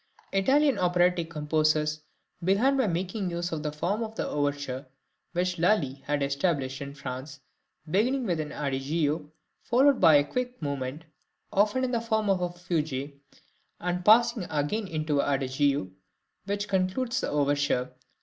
Italian operatic composers began by making use of the form of overture which Lully had established in France, beginning with an adagio, followed by a quick movement, often in the form of a fugue, and passing again into an adagio, which concludes the overture.